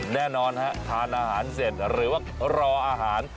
แน่นอนฮะทานอาหารเสร็จหรือว่ารออาหาร